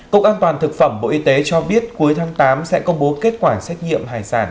cục an toàn thực phẩm bộ y tế cho biết cuối tháng tám sẽ công bố kết quả xét nghiệm hải sản